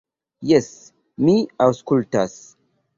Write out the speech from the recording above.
Jes, mi aŭskultas.